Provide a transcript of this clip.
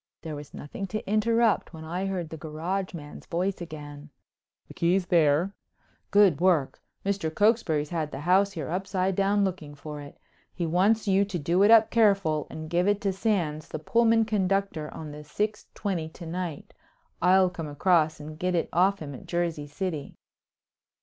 There was nothing to interrupt when I heard the garage man's voice again: "The key's there." "Good work! Mr. Cokesbury's had the house here upside down looking for it. He wants you to do it up careful and give it to Sands the Pullman conductor on the six twenty to night. I'll come across and get it off him at Jersey City."